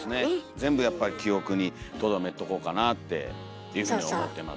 全部やっぱり記憶にとどめとこうかなあっていうふうに思ってます。